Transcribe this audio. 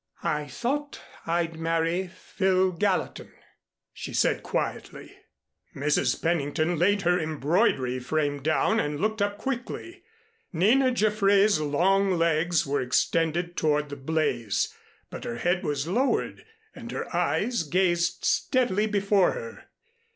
"I thought I'd marry Phil Gallatin," she said quietly. Mrs. Pennington laid her embroidery frame down and looked up quickly. Nina Jaffray's long legs were extended toward the blaze, but her head was lowered and her eyes gazed steadily before her.